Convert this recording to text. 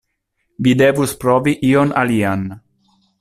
Vi devus provi ion alian.